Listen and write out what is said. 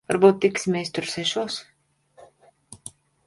Varbūt tiksimies tur sešos?